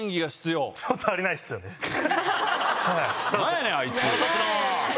何やねん⁉あいつ。